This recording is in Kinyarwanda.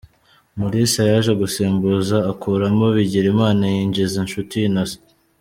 Mulisa yaje gusimbuza akuramo Bigirimana yinjiza Nshuti Innocent.